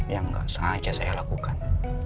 yang nggak sengaja saya lakukan